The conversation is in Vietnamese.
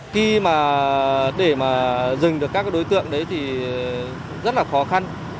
khi mà để mà dừng được các đối tượng đấy thì rất là khó khăn